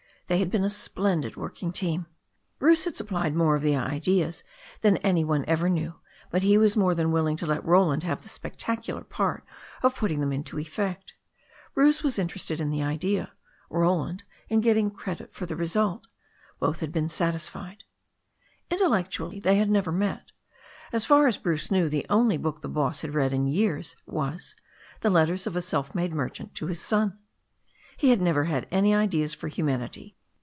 They had been a splendid working team. Bruce had supplied more of the ideas than any one ever knew, but he was more than willing to let Roland have the spectacular part of put ting them into effect. Bruce was interested in the idea; Roland in getting credit for the result. Both had been sat isfied. Intellectually they had never met. As far as Bruce knew, the only book the boss had read in years was The Letters of a Self Made Merchant to His Son. He had never had any ideals for humanity.